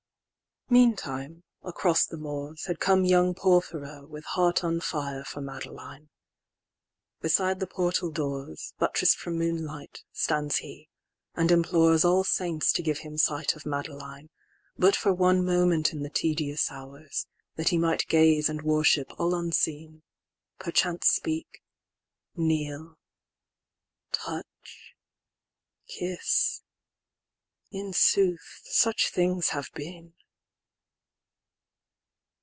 Meantime, across the moors, Had come young Porphyro, with heart on fireFor Madeline. Beside the portal doors, Buttress'd from moonlight, stands he, and imploresAll saints to give him sight of Madeline, But for one moment in the tedious hours, That he might gaze and worship all unseen; Perchance speak, kneel, touch, kiss—in sooth such things have been.